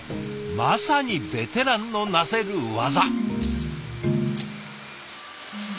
まさにベテランのなせる業！